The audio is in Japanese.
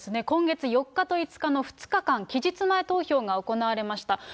今月４日と５日の２日間、期日前投票が行われました。